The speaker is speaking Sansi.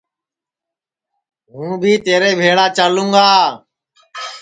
ہوں بی تیرے بھیݪا چالوں گا